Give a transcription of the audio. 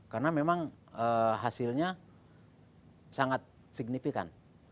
karena memang hasilnya sangat signifikan